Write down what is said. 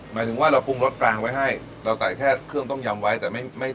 หมายถึงว่าเราปรุงรสกลางไว้ให้เราใส่แค่เครื่องต้มยำไว้แต่ไม่ไม่